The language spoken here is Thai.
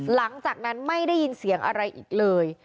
หลังจากนั้นไม่ได้ยินเสียงอะไรอีกเลย